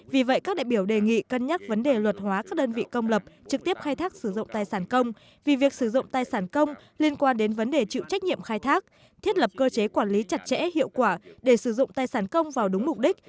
vì vậy các đại biểu đề nghị cân nhắc vấn đề luật hóa các đơn vị công lập trực tiếp khai thác sử dụng tài sản công vì việc sử dụng tài sản công liên quan đến vấn đề chịu trách nhiệm khai thác thiết lập cơ chế quản lý chặt chẽ hiệu quả để sử dụng tài sản công vào đúng mục đích